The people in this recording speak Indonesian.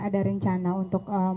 ada rencana untuk